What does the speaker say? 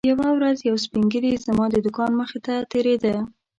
یوه ورځ یو سپین ږیری زما د دوکان مخې ته تېرېده.